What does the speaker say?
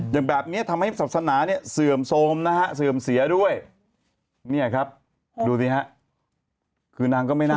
เข้าเป็นพระจริงไหมเนี่ยหรือว่าแบบ